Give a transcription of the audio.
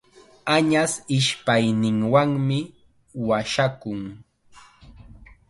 Añas ishpayninwanmi washakun.